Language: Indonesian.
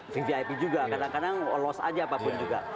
vvip juga kadang kadang lost aja apapun juga